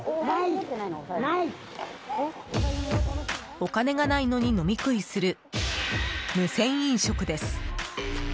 お金がないのに飲み食いする無銭飲食です。